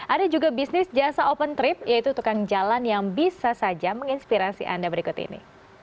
ada juga bisnis jasa open trip yaitu tukang jalan yang bisa saja menginspirasi anda berikut ini